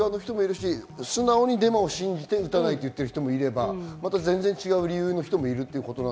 素直にデマを信じて打たないという人もいれば、全然違う理由の人もいます。